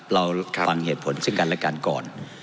เราฟังเหตุผลซึ่งกันและกันก่อน